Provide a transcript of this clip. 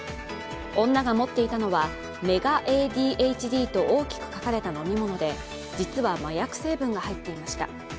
女が持っていたのは、メガＡＤＨＤと大きく書かれた飲み物で実は麻薬成分が入っていました。